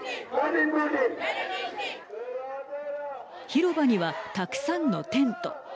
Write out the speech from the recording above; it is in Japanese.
広場には、たくさんのテント。